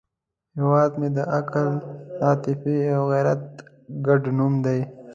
هیواد مې د عقل، عاطفې او غیرت ګډ نوم دی